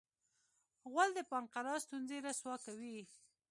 غول د پانقراس ستونزې رسوا کوي.